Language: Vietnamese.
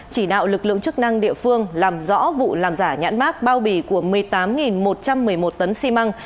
chỉ đạo lực lượng chức năng địa phương làm rõ vụ làm giả nhãn mát bao bì của một mươi tám một trăm một mươi một tấn xi măng